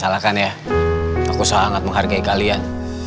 salahkan ya aku sangat menghargai kalian